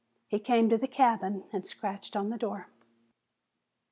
He came to the cabin and scratched on the door.